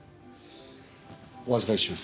お預かりします。